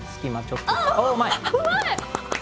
うまい！